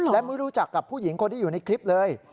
และไม่รู้จักกับผู้หญิงคนที่อยู่ในคลิปเลย